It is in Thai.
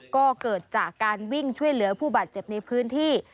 ก็เกิดจากการวิ่งช่วยเหลือผู้บาดเจ็บในพื้นที่